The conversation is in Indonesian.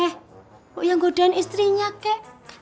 he kok yang godain istrinya kek